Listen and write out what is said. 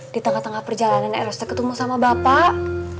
di tengah tengah perjalanan rsc ketemu sama bapak